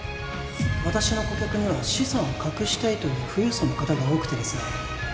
私の顧客には資産を隠したいという富裕層の方が多くてですね